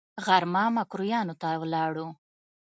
غرمه ميکرويانو ته ولاړو.